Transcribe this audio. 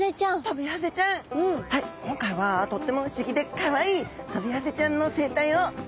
今回はとっても不思議でかわいいトビハゼちゃんの生態を探っていきましょうね。